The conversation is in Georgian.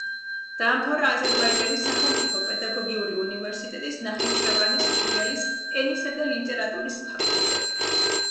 დაამთავრა აზერბაიჯანის სახელმწიფო პედაგოგიური უნივერსიტეტის ნახიჩევანის ფილიალის ენისა და ლიტერატურის ფაკულტეტი.